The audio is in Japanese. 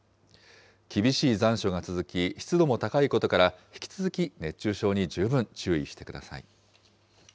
厳しい残暑が続き、湿度も高いことから、引き続き熱中症に十分注意してください。